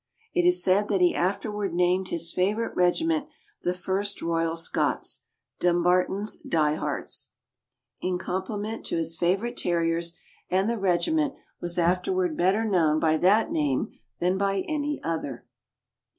It is said that he afterward named his favorite regiment (the First Royal Scots) "Dumbar ton's Die hards," in compliment to his favorite Terriers, THE SCOTTISH TERRIER. 467 and the regiment was afterward better known by that name than by any other.